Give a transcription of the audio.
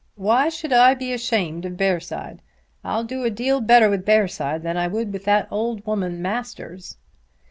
Why should I be ashamed of Bearside? I'll do a deal better with Bearside than I would with that old woman, Masters."